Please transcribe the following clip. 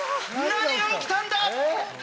何が起きたんだ！え？